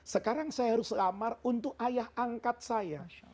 sekarang saya harus lamar untuk ayah angkat saya